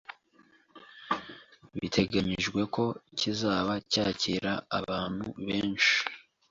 biteganyijwe ko kizaba cyakira abantu benshi